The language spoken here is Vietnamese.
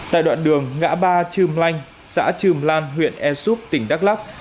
tại đoạn đường ngã ba trường lanh xã trường lan huyện air soup tỉnh đắk lắk